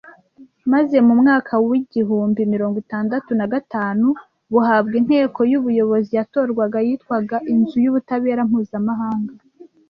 maze mu mwaka wi gihumbi mirongo itandatu nagatanu buhabwa inteko y’ubuyobozi yatorwaga yitwaga Inzu y’Ubutabera Mpuzamahanga